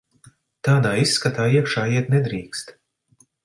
Tādā izskatā iekšā iet nedrīkst.